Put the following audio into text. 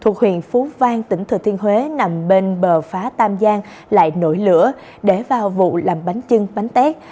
thuộc huyện phú vang tỉnh thừa thiên huế nằm bên bờ phá tam giang lại nổi lửa để vào vụ làm bánh chưng bánh tét